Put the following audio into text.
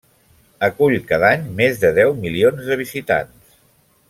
Acull cada any més de deu milions de visitants.